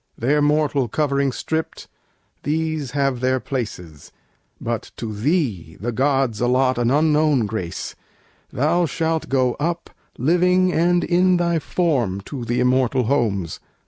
their mortal covering stripped, These have their places; but to thee the gods Allot an unknown grace; Thou shalt go up, Living and in thy form, to the immortal homes."